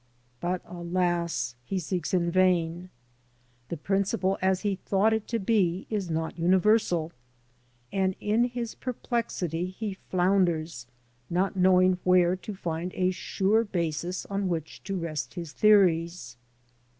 But, alas I he seeks in vain. The principle, as he thought it to be, is not universal, and in his perplexity he flounders, not knowing where to find a sure basis on which to rest his theories.